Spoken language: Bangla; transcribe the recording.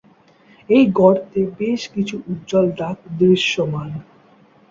এই গর্তে বেশ কিছু উজ্জ্বল দাগ দৃশ্যমান।